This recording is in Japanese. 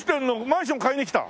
マンション買いに来た？